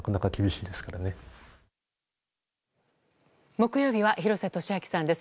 木曜日は廣瀬俊朗さんです。